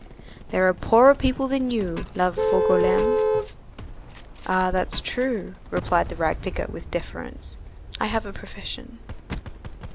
"There are poorer people than you, la Vargoulême." "Ah, that's true," replied the rag picker, with deference, "I have a profession."